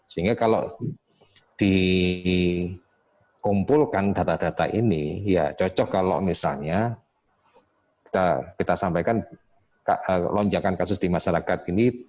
sehingga kalau dikumpulkan data data ini ya cocok kalau misalnya kita sampaikan lonjakan kasus di masyarakat ini